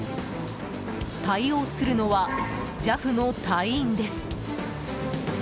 対応するのは、ＪＡＦの隊員です。